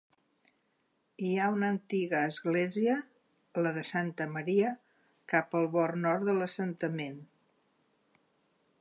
Hi ha una antiga església, la de Santa María, cap al bord nord de l'assentament.